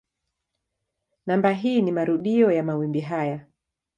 Namba hii ni marudio ya mawimbi haya.